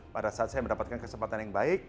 pada saat saya mendapatkan kesempatan yang baik